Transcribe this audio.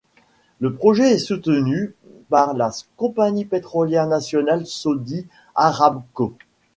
Le projet est soutenu par la compagnie pétrolière nationale Saudi Aramco.